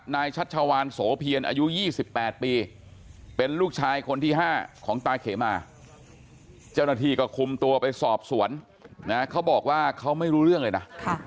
ชัชวานโสเพียรอายุ๒๘ปีเป็นลูกชายคนที่๕ของตาเขมาเจ้าหน้าที่ก็คุมตัวไปสอบสวนนะเขาบอกว่าเขาไม่รู้เรื่องเลยนะ